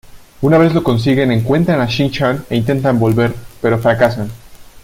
Una vez lo consiguen encuentran a Shin Chan e intentan volver, pero fracasan.